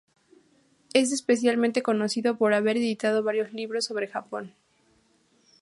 Es especialmente conocido por haber editado varios libros sobre Japón.